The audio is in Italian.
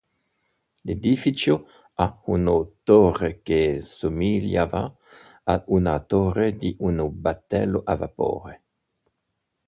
L'edificio ha una torre che somigliava ad una torre di un battello a vapore.